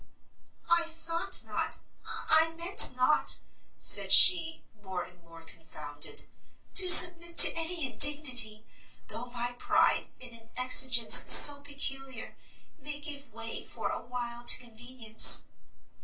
"I thought not, I meant not," said she, more and more confounded, "to submit to any indignity, though my pride, in an exigence so peculiar, may give way, for a while, to convenience."